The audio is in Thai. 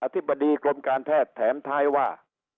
ธิบดีกรมการแพทย์แถมท้ายว่า